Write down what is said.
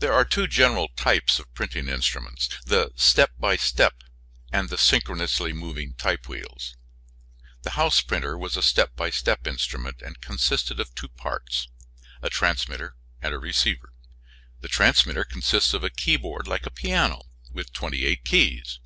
There are two general types of printing instruments, the step by step, and the synchronously moving type wheels. The House printer was a step by step instrument and consisted of two parts, a transmitter and a receiver. The transmitter consists of a keyboard like a piano, with twenty eight keys.